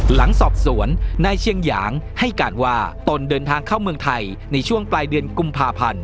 หลังสอบสวนนายเชียงหยางให้การว่าตนเดินทางเข้าเมืองไทยในช่วงปลายเดือนกุมภาพันธ์